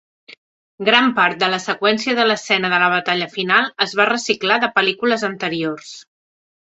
Gran part de la seqüència de l'escena de la batalla final es va reciclar de pel·lícules anteriors.